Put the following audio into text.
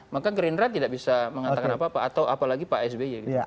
maka gerindra tidak bisa mengatakan apa apa atau apalagi pak sby gitu